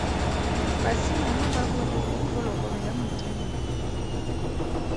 Basimane ba bolaile phologolo ya Modimo.